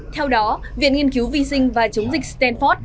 theo đó viện nghiên cứu vi sinh và chống dịch stanford